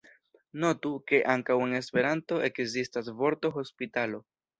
Notu, ke ankaŭ en Esperanto ekzistas vorto hospitalo.